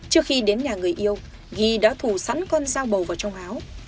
trước khi đến nhà người yêu ghi đã thủ sẵn con dao bầu vào trong áo